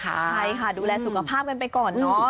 ใช่ค่ะดูแลสุขภาพกันไปก่อนเนอะ